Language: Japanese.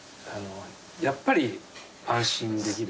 やっぱり安心できる。